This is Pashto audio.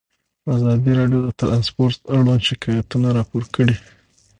ازادي راډیو د ترانسپورټ اړوند شکایتونه راپور کړي.